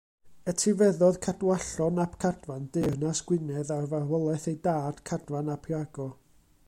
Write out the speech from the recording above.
Etifeddodd Cadwallon ap Cadfan deyrnas Gwynedd ar farwolaeth ei dad, Cadfan ap Iago.